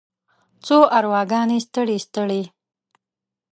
څو ارواګانې ستړې، ستړې